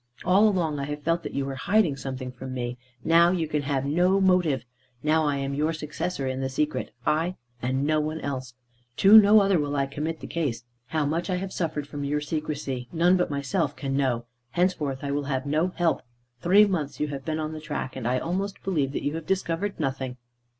All along I have felt that you were hiding something from me. Now you can have no motive. Now I am your successor in the secret; I, and no one else. To no other will I commit the case. How much I have suffered from your secresy, none but myself can know. Henceforth I will have no help. Three months you have been on the track, and I almost believe that you have discovered nothing."